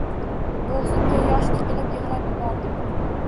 Bo`g`zimga yosh tiqilib yig`lab yubordim